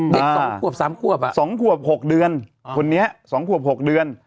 เด็ก๒ควบ๓ควบอ่ะ๒ควบ๖เดือนคนนี้๒ควบ๖เดือน